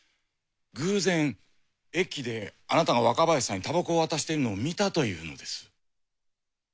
偶然駅であなたが若林さんにタバコを渡しているのを見たというのです。